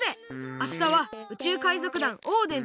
あしたは宇宙海賊団オーデンとたたかうよ。